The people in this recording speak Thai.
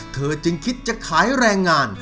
เธอจึงคิดจะขายแรงงาน